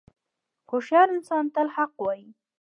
• هوښیار انسان تل حق وایی.